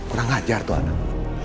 udah ngajar tuh anak